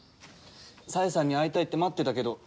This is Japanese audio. さえさんに会いたいって待ってたけど。